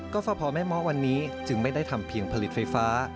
ก็พอแม่เมาะวันนี้จึงไม่ได้ทำเพียงผลิตไฟฟ้า